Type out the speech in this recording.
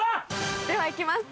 では行きます！